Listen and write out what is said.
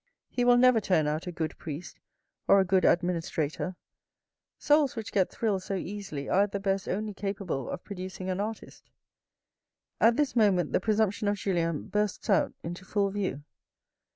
He will never turn out a good priest or a good administrator. Souls which get thrilled so easily are at the best only capable of producing an artist. At this moment the presumption of Julien bursts out into full view.